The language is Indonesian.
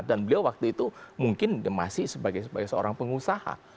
dan beliau waktu itu mungkin masih sebagai seorang pengusaha